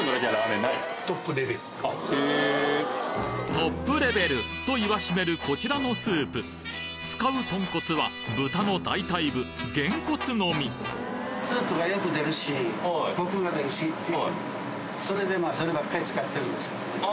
トップレベルと言わしめるこちらのスープ使う豚骨は豚の大腿部げんこつのみそれでそればっかり使ってるんです。